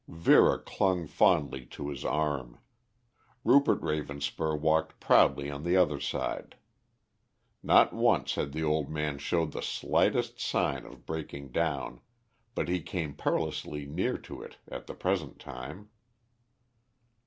Vera clung fondly to his arm; Rupert Ravenspur walked proudly on the other side. Not once had the old man showed the slightest sign of breaking down, but he came perilously near to it at the present time.